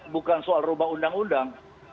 bukan soal rubah undang undang